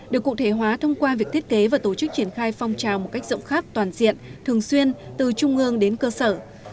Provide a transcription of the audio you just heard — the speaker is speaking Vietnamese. được cụ thể hóa thông qua việc thiết kế và tổ chức triển khai phong trào một cách rộng khắp toàn diện thường xuyên từ trung ương đến cơ sở